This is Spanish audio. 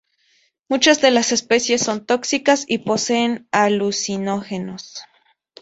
Muchas de las especies son tóxicas y poseen alucinógenos